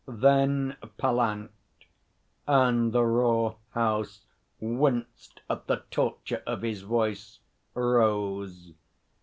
Then Pallant and the raw House winced at the torture of his voice rose.